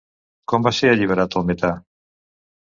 Com va ser alliberat el metà?